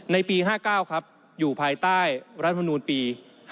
ในปี๕๙ครับอยู่ภายใต้รัฐมนูลปี๕๗